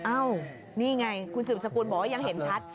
อ้าวนี่ไงคุณสืบสกุลบอกว่ายังเห็นชัด